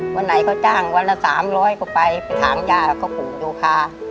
วันไหนเขาจ้างวันละ๓๐๐กว่าไปไปถ่างยาก็ปู่อยู่ค่ะ